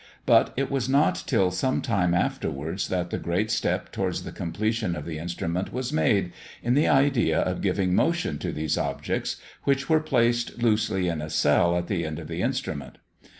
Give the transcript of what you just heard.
But it was not till some time afterwards that the great step towards the completion of the instrument was made, in the idea of giving motion to these objects, which were placed loosely in a cell at the end of the instrument.